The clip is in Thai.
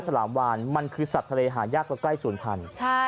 ฉลามวานมันคือสัตว์ทะเลหางยากแล้วใกล้ส่วนพัน